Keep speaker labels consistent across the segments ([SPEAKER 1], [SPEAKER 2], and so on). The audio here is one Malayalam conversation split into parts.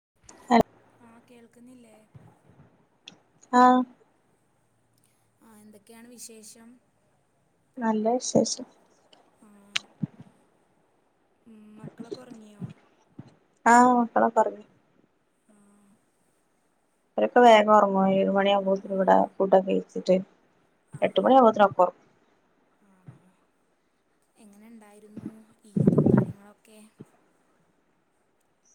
[SPEAKER 1] [unintelligible]
[SPEAKER 2] ആഹ് കേൾക്കുന്നില്ലേ
[SPEAKER 1] ആഹ്
[SPEAKER 2] ആഹ് എന്തെക്കെയാണ് വിശേഷം
[SPEAKER 1] നല്ല വിശേഷം
[SPEAKER 2] ഉം മക്കളൊക്കെഒറങ്ങിയോ
[SPEAKER 1] ആഹ് മക്കളാക്കൊറങ്ങി
[SPEAKER 2] ആഹ്
[SPEAKER 1] അവരിപ്പോ വേഗം ഒറങ്ങും ഏഴു മണിയാകുമ്പോത്തിന് ഇവടെ ഫുഡൊക്കെ കയിച്ചിട്ട് എട്ടുമണിയാവുമ്പോത്തേനൊറങ്ങും-
[SPEAKER 2] ആണോ എങ്ങനിണ്ടായിരുന്നു ഈദും കാര്യങ്ങളൊക്കെ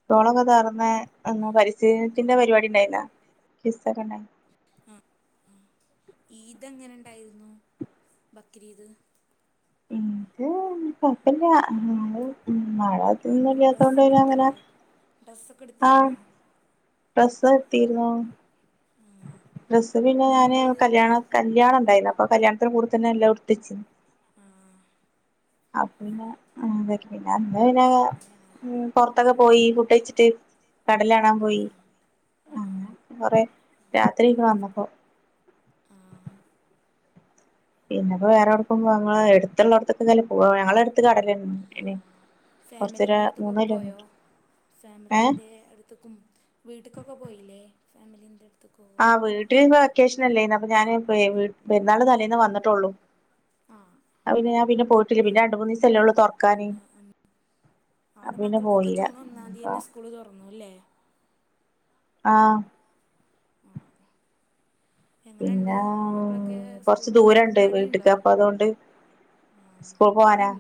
[SPEAKER 1] സ്ക്കൂളൊക്കെ തൊറന്ന് ഇന്ന് പരിസ്ഥിതി ദിനത്തിന്റെ പരിപാടി ഉണ്ടായിരുന്നാ ക്വിസൊക്കെ ഒണ്ടായിന്നാ
[SPEAKER 2] ആഹ് ഈദ് എങ്ങനെണ്ടായിരുന്നു ബക്രീദ് -
[SPEAKER 1] ഈദ് കൊഴപ്പില്ലാ [inaudible] നാളെ
[SPEAKER 2] മ് ഡ്രസ്സൊക്കെ എടുത്തില്ലേ ഡ്രസ്സൊക്കെ എടുത്തിരുന്നോ
[SPEAKER 1] ഡ്രസെടുത്തീരുന്നു
[SPEAKER 2] [unintelligible]
[SPEAKER 1] ഡ്രസ്സ് പിന്നെ ഞാന് കല്യാണോ കല്യാണം ഉണ്ടായിന്ന് അപ്പൊ കല്യാണത്തിനു കൂടതന്നെ എല്ലാം എടുത്തുവെച്ചീനി
[SPEAKER 2] ആഹ്
[SPEAKER 1] അന്ന് പിന്നെ [unintelligible] ഉം പൊറത്തൊക്കെ പോയി ഫുഡ് കഴിച്ചിട്ട് കടല്കാണാൻ പോയ് അന്ന് കൊറെ രാത്രിയിങ്ങ് വന്നപ്പോ പിന്നെപ്പോ വേറെവടേക്കും ഞങ്ങള് പോ എടുത്തുള്ളടത്തൊക്കെ പോ ഞങ്ങളടുത്ത് കടലിണ്ടീനി
[SPEAKER 2] ഫാമിലീൻ്റെ അടുത്തേക്കൊക്കെ പോയോ ഫാമിലീൻ്റെ അടു- ത്തെക്കും വീട്ടിക്കൊക്കെ പോയില്ലേ ഫാമിലീന്റടുത്ത്
[SPEAKER 1] ആഹ വീട്ടിൽ വെക്കേഷനല്ലേന്യൂ അപ്പൊ ഞാൻ പോ- പെരുന്നാള് തലേന്ന് വന്നിട്ടൊള്ളൂ ആഹ പിന്നെ ഞാൻ പിന്നെ പോയിട്ടില്ല പിന്നെ- രണ്ട് മൂസല്ലേളളൂ തുറക്കാനേ അപ്പൊ പിന്നെ പോയില്ല
[SPEAKER 2] സ്കൂൾ തുറന്നൂല്ലേ
[SPEAKER 1] ആഹ് പിന്നാവ് കൊറച്ച് ദൂരുണ്ട് വീട്ടക്ക് അപ്പൊ അതുകൊണ്ട് സ്കൂൾ പോവാനാ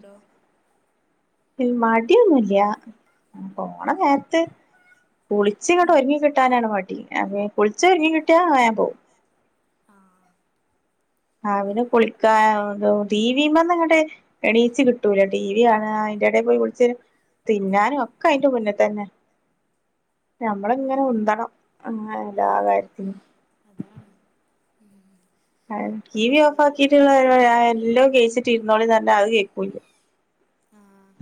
[SPEAKER 1] മടിയൊന്നുല്ല്യാ പോണ നേരത്ത് കുളിച്ചി ഇങ്ങട്ട ഒരുങ്ങിക്കി- കിട്ടാനാണ് മടി അതെ കുളിച്ചൊരുങ്ങി കിട്ടിയാ വേകം പോവും
[SPEAKER 2] ആഹ്
[SPEAKER 1] ആഹ് പിന്നെ കുളിക്കാൻ ടി വി മ്മന്ന് ങ്ങട്ട് എണീച്ച് കിട്ടൂല ടി വി കാണ അതിന്റെ എടെ പോയി കുളി ച്ച് തിന്നാനും ഒക്കെ അയിന്റെ മുന്ന് തന്നെ ഞമ്മള് ഇങ്ങനെ ഉന്തണം അങ്ങനെ എല്ലാ കാര്യത്തിനും
[SPEAKER 2] അതാണ് ഉം
[SPEAKER 1] ടി വി ഓഫ് ആക്കിയിട്ടുള്ള എല്ലാം കഴിച്ചിട്ട് ഇരുന്നോളി എന്ന് പറഞ്ഞ അത് കേൾക്കൂല്ല
[SPEAKER 2] ആഹ്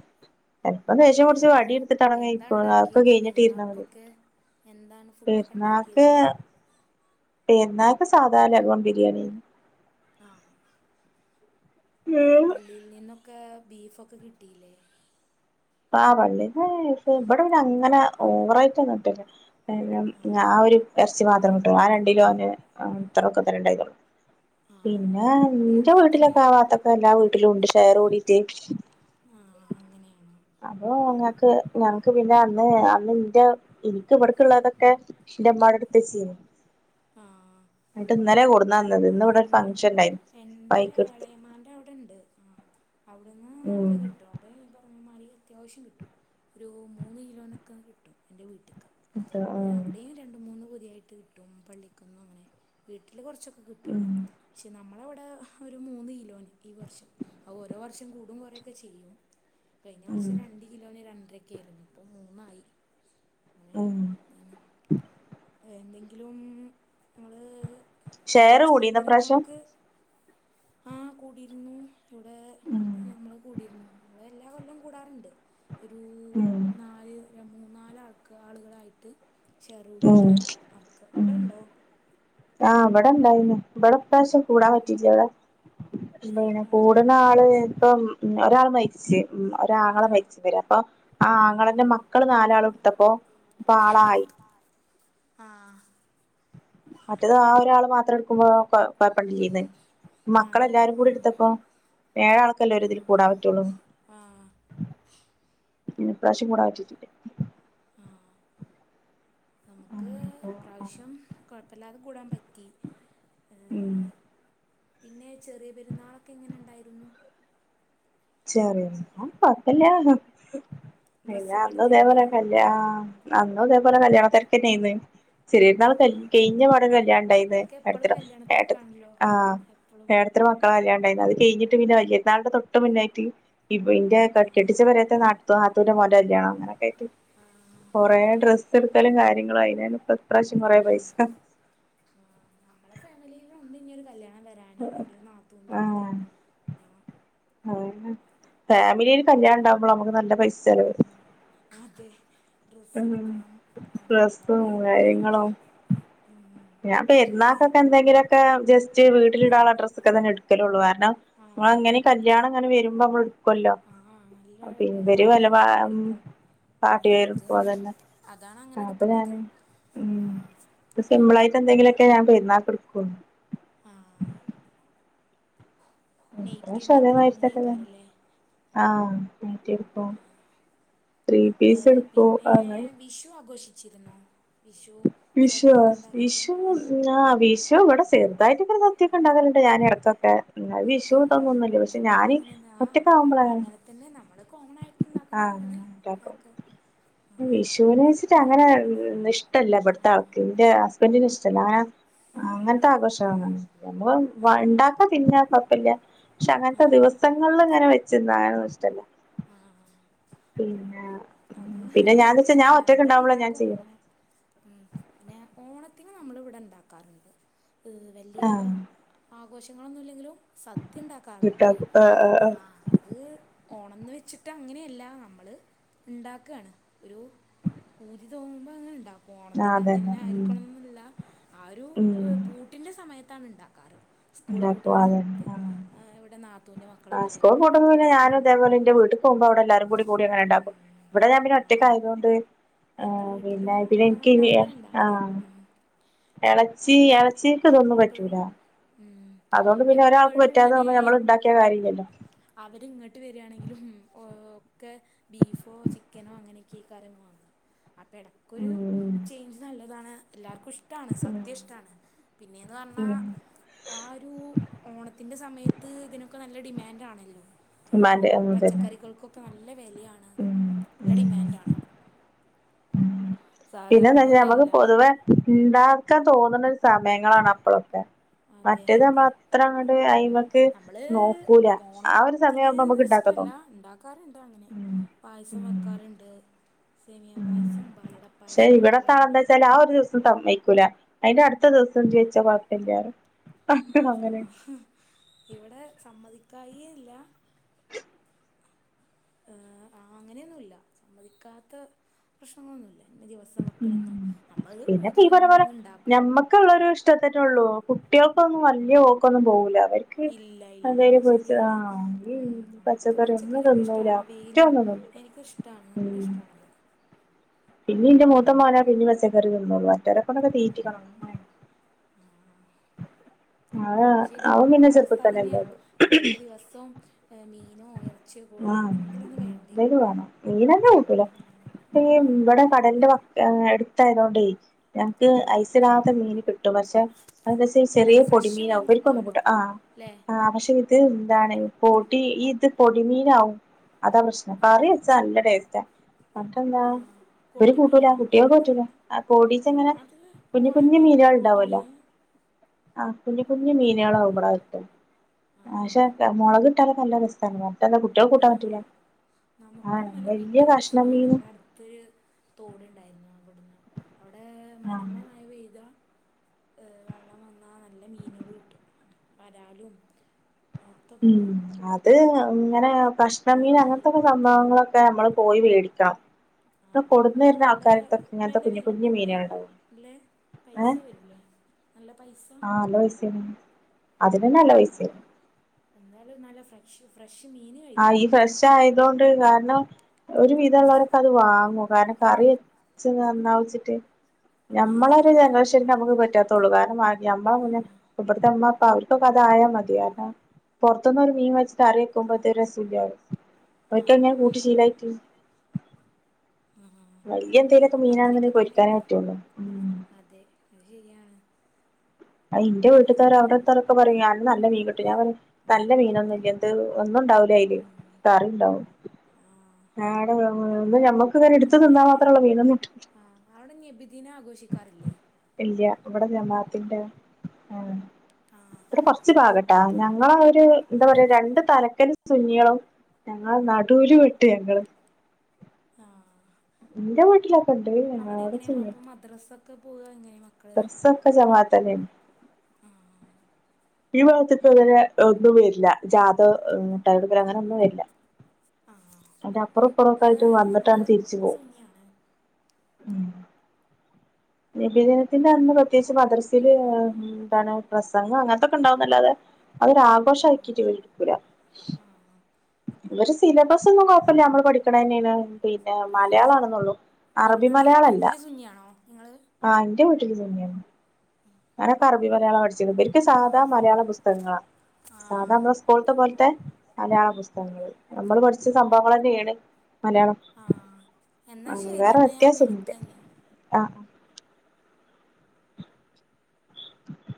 [SPEAKER 1] ചിലപ്പോൾ ദേഷ്യം പിടിച്ച് വടി എടുത്തിട്ടാണെങ്കെ അതക്കെ കഴിഞ്ഞിട്ട് ഇരുന്ന മതി പെരുന്നാക്ക് പെരുന്നാക്ക് സാധാ ലഗോൺ ബിരിയാണി
[SPEAKER 2] ആഹ പള്ളിയിൽ നിന്നൊക്കെ ബീഫ് ഒക്കെ കിട്ടിയില്ലേ
[SPEAKER 1] ആ പള്ളീന്ന് ബീഫ് ഇബടെ പിന്നെ അങ്ങനെ ഓവറായിട്ട് ഒന്നും കിട്ടലില്ല ആ ഒരു ഇറച്ചി മാത്രം കിട്ടു ആ രണ്ടിലോന് അത്രെ ഒക്ക തന്നെണ്ടായിരുന്നുള്ളു പിന്നെ എന്റെ വീട്ടിലൊക്കെ ആവാത്തൊക്കെ എല്ലാ വീട്ടിലും ഉണ്ട് ഷെയർ കൂടീട്ട്
[SPEAKER 2] ആഹ അങ്ങനെയാണ്
[SPEAKER 1] അപ്പൊ ഞങ്ങക്ക് ഞങ്ങക്ക് പിന്നെ അന്ന് അന്ന് ഇന്റെ എനിക്ക് ഇവിടക്കുള്ളതൊക്കെ ഇന്റമ അവിടെ എടുത്ത് വെച്ചീനി
[SPEAKER 2] ആഹ് ഉ എന്റെ എളയമാന്റെ അവിടെ ഉണ്ട് ഉ അവിടുന്ന് ഞങ്ങക്ക് കിട്ടും അവിടെ ഈ പറഞ്ഞ മാരി അത്യാവശ്യം കിട്ടും ഒരു മൂന്ന് കിലോനൊക്കെ കിട്ടും എൻ്റെ വീട്ടിലേക്ക് പിന്നെ അവിടെയും രണ്ട് മൂന്ന് പൊതിയായിട്ട് കിട്ടും പള്ളിക്കന്നും അങ്ങനെ വീട്ടില് കുറച്ചൊക്കെ കിട്ടും പക്ഷെ നമ്മളവിടെ ഒരു മൂന്ന് കിലോന് ഈ വർഷം അത് ഓരോ വർഷം കൂടും കുറയും ഒക്കെ ചെയ്യും കഴിഞ്ഞ വർഷം രണ്ട് കിലോന് രണ്ടരെക്കെ ആയിരുന്നു ഇപ്പൊ മൂന്നായി അങ്ങനെ എന്തെങ്കിലും ഇങ്ങള് പെ ചെറിയ പെരുന്നാൾക്ക് ആഹ കൂടിയിരുന്നു ഇവിടെ നമ്മള് കൂടിയിരുന്നു നമ്മൾ എല്ലാ കൊല്ലം കൂടാറുണ്ട് ഒരു നാല് മൂന്നാല് ആൾക്ക ആളുകളായിട്ട് ഷെയർ കൂടിയിട്ട് അറുക്ക അവിടെ ഉണ്ടോ
[SPEAKER 1] ആഹ ഇവിടെ ഇണ്ടായിരുന്നു ഇവിടെ ഇപ്രാവശ്യം കൂടാൻ പറ്റിയില്ല അത പിന്നെ കൂട ആള് ഇപ്പം ഒരാള് മരിച്ചു ഉ ഒരാങ്ങളെ മരിച്ചതേന്നു അപ്പൊ ആ ആങ്ങളന്റെ മക്കള് നാലാൾ എടുത്തപ്പൊ പ്പാളായി
[SPEAKER 2] ആഹ്
[SPEAKER 1] മറ്റത് ആ ഒരാള് മാത്രട്ക്കുമ്പോ കൊ കൊഴപ്പല്ല്യേന്ന് മക്കളെല്ലാരും കൂടിട്ത്തപ്പൊ ഏഴാൾക്കല്ലെ ഒര്തില് കൂടാം പറ്റാെള്ളൂ ഇന് ഇപ്രാവ്ശ്യം കൂടാം പറ്റീട്ടില്ലേ
[SPEAKER 2] ആഹ് നമ്ക്ക് ഇപ്രാവ്ശ്യം കൊഴപ്പല്ലാതെ കൂടാം പറ്റി ഏഹ് പിന്നെ ചെറിയ പെരുന്നാളൊക്കെ എങ്ങെനെണ്ടായ്ര്ന്നു
[SPEAKER 1] ചെറിയ ന്നാൾ കൊഴ്പ്പല്ലാ പിന്നെ അന്നും ഇതേപോലെ കല്ല്യാ ആഹ് അന്നും ഇതേപോലെ കല്യാണ തെരെക്കെന്നേന്ന് ചെറ്യെര്ന്നാൾ കയ് കെയ്ഞ്ഞ പാടെന്നെ കല്യാണണ്ടായ്ന്ന് ഏട്ടത്തിടെ ഏട്ട ആഹ് ഏട് ത്തിടെ മക്കളെ കല്യാണണ്ടായ്ന്ന് അത് കെയ്ഞ്ഞിട്ട് പിന്നെ വല്യര്ന്നാൾന്റെ തൊട്ട് മുന്നായിട്ട് ഇബ് ഇന്റെ ക കെട്ടിച്ച പെരേത്തെ നാത്തു നാത്തൂന്റെ മോന്റെ കല്ല്യാണം അങ്ങനൊക്കേയ്ട്ട് കാെറേ ഡ്രസ് സ്സ്‌ട്ക്കലും കാര്യങ്ങളും ആയയ്നാല്‌പ്പം
[SPEAKER 2] ഉം ആഹ് നമ്മളെ ഫാമിലിയിലും ഉണ്ട് ഇനിയൊര് കല്ല്യാണം വെരാൻ ന് എന്റെയൊരു നാത്തൂന്റെ മോളെ ഞാൻ
[SPEAKER 1] അതന്നെ ഫാമിലിയില് കല്ല്യാണണ്ടാവുമ്പളാ അമുക്ക് നല്ല പൈസ് ചെലെവ്
[SPEAKER 2] അതെ ഡ്രസ്സ്ട്ക്കണം അങ്ങനെ ഒരുപാട് കാര്യങ്ങള് ഊം
[SPEAKER 1] ഞാൻ പെര്ന്നാക്കൊക്കെ എന്തെങ്കിലാെക്കെ ജെസ് റ്റ് വീട്ട്ല്ടാള്ള ഡ്രെസ്സൊക്കെ തന്നെ ഇട്ക്കലാെള്ളൂ കാര്ണം മ്മളങ്ങെനെ കല്ല്യാണങ്ങാനും വെര്മ്പമ്മള് ഇട്ക്കു അല്ലോ പി വെര് വല വാ ഉം പാർട്ടി വെയെറ്ട്‌ക്കും അതന്നെ ആഹ് അപ്പ ഞാന് ഉം പ്പം സിംമ്പ്ളായ്ട്ട് എന്തെങ്കിലാെക്കെ ഞാൻ പെര്ന്നാക്ക്ട്ക്കൊള്ളു
[SPEAKER 2] ആഹ്
[SPEAKER 1] ഏക്ദേശം അതേമായ്‌രിത്തെക്കെന്നെ ആഹ് നൈറ്റി എടു
[SPEAKER 2] ആഹ് ഏഹ് പിന്നേ വിഷു ആഘോഷിച്ചിര്ന്നോ വിഷു
[SPEAKER 1] വിഷ്വോ വിഷു ആഹ് വിഷു വെടെ ചെർതായിട്ടെക്കെര് സദ്യൊക്കെണ്ടാക്കല്ണ്ട് ഞാനെട ക്കൊക്കെ അത് വിഷു തൊന്നൊന്നുല്ല പക്ഷെ ഞാന് ഒറ്റക്കാവുമ്പളാ
[SPEAKER 2] പിന്നെ നമ്മള് കോമണായ്ട്ട് ഇണ്ടാക്ക്ന്നത് പോലെ ണ്ടാക്കും
[SPEAKER 1] ഉം വിഷൂനേച്ച്ട്ടങ്ങനെ ഇഷ്ടല്ല ബെട്ത്താൾക്ക് ഇന്റെ ഹസ് ബന്റിന് ഇഷ്ടല്ല ഏം അങ്ങൻത്തെ ആഘോഷ [unintelligible] വ ഇണ്ടാക്ക തിന്നാ കൊഴ്പ്പല്ല്യ ക്ഷെ അങ്ങൻത്തെ ദിവസങ്ങള്ല്ങ്ങെനെ വെച്ച്ന്നാ അതൊന്നും ഇഷ്ടല്ലാ
[SPEAKER 2] ആഹ് ആഹ് ആഹ്
[SPEAKER 1] പിന്നാ
[SPEAKER 2] അത് ഇവിടീം ഇഷ്ടല്ലാ നമ്മള് ഇണ്ടാക്കും ങ്ങെനെ ഉം പിന്നെ ഓണെത്തിന് നമ്മള്വ്ടെ ഇണ്ടാക്കാറ്ണ്ട് വലിയാ ആഘോശങ്ങളൊന്നുല്ലെങ്കിലും സദ്യണ്ടാക്കാറ്ണ്ട് ആഹ് അത് ഓണംന്ന് വെച്ചിട്ട് അങ്ങനെയല്ലാ നമ്മള് ഇണ്ടാക്കാണ് ഒരു പൂതി തോന്നുമ്പങ്ങ് ണ്ടാ ഓണത്തിന്റെ അന്നെന്നെ ആയ്ര്ക്കണംന്നുല്ലാ ആ ഒരു ഏഹ് പൂ ട്ടിന്റെ സമയത്താണ് ഇണ്ടാക്കാറ് സ്കൂള് പൂട്ട്ണ സമ ത്ത് അങ്ങനെ വ്ടെ നാത്തൂൻ്റെ മക്കളൊക്കെ വെരും അപ്പോ നമ്മള്ണ്ടാക്കും
[SPEAKER 1] പോവുമ്പം അവ്ടെ എല്ലാരും കൂടി കൂടി അങ്ങെനെണ്ടാക്കും വ്ടെ ഞാൻ പിന്നെ ഒറ്റെക്കായതുകൊണ്ട് ആ പിന്നെ ഇതില് എനിക്ക് വിയ ആഹ് ഇളച്ചി ഇളച്ചിക്ക് ഇതൊന്നും പറ്റൂല
[SPEAKER 2] ഉം
[SPEAKER 1] അതുകൊണ്ട് പിന്നെ ഒരാൾക്ക് പറ്റാതെ വന്നാ നമ്മള് ഉണ്ടാക്കിയ കാര്യല്ലല്ലോ
[SPEAKER 2] അവരിങ്ങട്ട് വരിയാണെങ്കിലും ഓ ഒക്കെ ബീഫോ ചിക്കനോ അങ്ങനെയൊക്കെ ഈകാരം വാങ്ങ അപ്പ ഇട ക്കൊരു ചേഞ്ച് നല്ലതാണ് എല്ലാർക്കും ഇഷ്ടാണ് സദ്യ ഇഷ്ടാണ് പിന്നെന്ന് പറഞ്ഞാ ആഹ് ഒരു ഓണത്തിന്റെ സമയത്ത് ഇതിനൊക്കെ നല്ല ഡിമാന്റാണല്ലോ ഓ പച്ചക്കറികൾക്കൊക്കെ നല്ല വിലയാണ് നല്ല ഡിമാന്റാണ്
[SPEAKER 1] പിന്നെന്താച്ചാ നമ്മക്ക് പൊതുവെ ഇണ്ടാക്കാൻ തോന്നുന്നൊരു സമയങ്ങളാണ് അപ്പളൊക്കെ
[SPEAKER 2] അതെ ഹതെ ഉം നമ്മള് ഓണ ത്തിനെന്ന് വെച്ചിട്ടല്ല ഇണ്ടാക്കാറുണ്ട് അങ്ങനെ പായസം വെക്കാറ്ണ്ട് സേമിയ പായസം പാലട
[SPEAKER 1] പക്ഷെ ഇവിടത്താളെന്താച്ചാല് ആഹ് ഒരു ദി സം സമ്മേക്കൂല അയിന്റെ അടുത്ത ദിവസം ഇജ്ജ് വെച്ചോ കൊയപ്പില്ലറയും
[SPEAKER 2] ആഹ് ഇവിടെ സമ്മതിക്കായികയില്ല ഏഹ് ആഹ് അങ്ങനെയൊന്നുമില്ല സമ്മതിക്കാത്ത പ്രശ്നങ്ങളൊന്നുമില്ല ഇന്ന ദിവസം വെക്കണംന്നോ അമ്മ അത് പൂതി തോന്ന്മ്പ അങ്ങ് ഇണ്ടാക്കും
[SPEAKER 1] ക്കെ ഉള്ളോരു ഇഷ്ട്ടത്തിനെയൊള്ളൂ കുട്ടികൾക്കൊന്നും വല്ല്യ ഓക്കൊന്നും പോകുല്ല അവര്
[SPEAKER 2] ഇല്ല ഇല്ല അത് ശരിയാണ് ഉം നമക്ക് പച്ചക്കറിയൊക്കെ ഇഷ്ടാ അവിയിലും എനിക്കുഷ്ടാണ് നല്ല ഇഷ്ടാണത്
[SPEAKER 1] പിന്നെ ഇന്റെ മൂത്തമോനാ പിന്നെ പച്ചക്കറി തിന്നൊള്ളൂ മറ്റൊരാ
[SPEAKER 2] ഉം ഉം അത് ശരിയാണ് മക്കള അവസ്ഥ തന്നെയാണല്ലോ മക്കൾക്ക് ദിവസവും മീനോ എറ ച്ചിയൊ കോഴിയൊ എന്തെങ്കില് ഒന്നും വേണ്ടേ ഉം
[SPEAKER 1] ഏഹ് ഇവിടെ കടലിന്റെ അടുത്തായോണ്ടേ ഞങ്ങക്ക് ഐസ് ഇടാത്ത മീന് കിട്ടും പക്ഷെ അത് സയ്സ് ചെറിയ പൊടിമീൻ അവർക്കും കൂട്ട ആഹ് ആഹ് പക്ഷെ ഇ ഇത് എന്താണ് പൊടി ഈ ഇത് പൊടിമീനാവും അതാ പ്രശ് കറി വെച്ചാ നല്ല ടേസ്റ്റാ മറ്റെന്താ ഇവര് കൂട്ടൂല കുട്ടിയോൾക്ക് പറ്റുലാ ആഹ് കോടീച്ച് അങ്ങനെ കുഞ്ഞു കുഞ്ഞു മീനുകൾ ഉണ്ടാവൂലോ ആഹ് കുഞ്ഞു കുഞ്ഞു മീനുകളാവമ്പഴ കിട്ടുക പക്ഷെ മുളക് ട്ടാ നല്ലരസ മറ്റന്താ കുട്ടികളെ കൂട്ടാൻ പറ്റൂല ആഹ് വല്യ കഷ്ണം മീന്
[SPEAKER 2] ത് തോടുണ്ടായിരുന്നു അവിടുന്ന് അവിടെ മലമ്മമഴ പെയ്താ ഏഹ് വെള്ളം വന്നാ നല്ല മീനുകൾ കിട്ടും വരാലും ഒക്കെ കിട്ടും
[SPEAKER 1] അത് ഇങ്ങനെ കഷ്ണമീൻ അങ്ങനത്തെുള്ള സംഭവങ്ങളൊക്കെ നമ്മള് പോയി വേടിക്കണം ഇടെ കൊണ്ട്ന്ന് തരുന്ന ആൾക്കാരത്തൊക്കെ ഇങ്ങനത്തെ കുഞ്ഞു കുഞ്ഞു മീനുകള ഉണ്ടാവും
[SPEAKER 2] അല്ലേ പൈസ വരൂലേ
[SPEAKER 1] ആഹ് നല്ല പൈസാണ് അതിനന്നെ നല്ല പൈസയാണ്
[SPEAKER 2] എന്താലും നല്ല ഫ്രഷ് ഫ്രഷ് മീന് കഴിക്കാ ആഹ് ഈ ഫ്രഷ് ആയ
[SPEAKER 1] കാരണം ഒരു വിധുള്ളവരൊക്കെ അത് വാങ്ങും കാരണം കറി വച്ച നന്നാവച്ചിട്ട് നമ്മള ഒരു ജനറേഷൻ നമുക്ക് പറ്റാത്ത ഉള്ളു കാരണം നമ്മള് അങ്ങനെ ഇവിട തന്നപ്പ അവർക്കൊക്കെ അതായാ മതി കാരണം പുറത്തൊനൊരു മീൻ വെച്ചിട്ട കറിവെയ്ക്കുമ്പോ വല്യ രസുല്ല്യാറിം അവർക്കങ്ങനെ കൂട്ടി ശീലായിറ്റ് വല്ല്യ എന്തേലൊക്കെ മീനാണെന്ന്ണ്ടങ്കി പൊരിക്കാനേ പറ്റുള്ളൂ ഉം
[SPEAKER 2] അതെ അത് ശരിയാണ്
[SPEAKER 1] അയ്ന്റെ വീട്ട്ത്തോര് അവിട്ത്തോലൊക്കെ പറയും [unintelligible] നല്ല മീൻ കിട്ടും ഞാൻ പറിം നല്ല മീനൊന്നും ഇല്ല്യ എന്ത് ഒന്നുംണ്ടാവു [unintelligible] ഇല്ല കറിണ്ടാവും [unintelligible] ക്ക്ങ്ങനെ എടുത്ത് തിന്നാമാത്രള്ള മീനൊന്നും
[SPEAKER 2] അവിടെ നബിദിനാഘോഷിക്കാറില്ലേ
[SPEAKER 1] ഇല്ല ഇവിടെ ജമാത്തിന്റെ ആണ് ഇവിടെ കൊർച്ച് ഭാഗട്ടാ ഞങ്ങളാ ഒരു എന്താ പറയാ രണ്ട് തലക്കല് സുന്നികളും ഞങ്ങള് നടൂല് പെട്ടു ഞങ്ങള്
[SPEAKER 2] ആഹ് അവിടെ എങ്ങനെ അപ്പൊ മദ്രസ ക്കെ പോവാ എങ്ങനെ മ
[SPEAKER 1] മദ്രസൊക്കെ ജമാഅത്തന്നേണ് ഈ ഭാഗത്ത്ക്ക് അങ്ങനെ ഒന്നും വര്ല്ല ജാത മുട്ടായി കൊടുക്കല് അങ്ങനെ ഒന്നും വര്ല്ല അയ്ന്റെ അപ്പുറും ഇപ്പുറൊക്കെ ആയിട്ട് വന്നിട്ടാണ്ട് തിരിച്ചു പോകും
[SPEAKER 2] പനിയാണ്
[SPEAKER 1] നബിദിനത്തിന്റെ അന്ന് പ്രത്യേകിച്ച് മദ്രസയില് ഏഹ് എന്താണ് പ്രസംഗം അങ്ങൻത്തൊക്കെ ഉണ്ടാവുന്നല്ലാതെ അതൊരാഘോഷാക്കിട്ട് കയ്ക്കൂലാ
[SPEAKER 2] ആഹ് ആഹ്
[SPEAKER 1] ഇവരെ സിലബസൊന്നും കൊഴ്പ്പല്ല്യ നമ്മള് പഠിക്ക്ണന്നേണ് പിന്നെ മലയാളാണ്ന്നുള്ളു
[SPEAKER 2] നിങ്ങളെ വീട്ടില് സുന്നിയാണോ നിങ്ങള്
[SPEAKER 1] ആഹ് ന്റെവീട്ടില് സുന്നിയാണ് ഞാനൊക്കെ അറബി മലയാളാ പഠിച്ച്ക്ക്ണത് ബര്ക്ക് സാധാ മലയാള പുസ്തകങ്ങളാ സാധാ നമ്മളെ സ്കൂൾത്തെ പോൽത്തെ മലയാള പുസ്തകങ്ങൾ നമ്മള് പഠിച്ച സംഭവങ്ങളെന്നേണ് മലയാളം
[SPEAKER 2] ആഹ് എന്നാ ശരി ന്നാ ഞാൻ വിളിക്കഞ്ഞി
[SPEAKER 1] ആഹ്